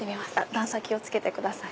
段差気を付けてください。